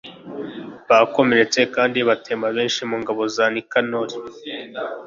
bakomeretsa kandi batema benshi mu ngabo za nikanori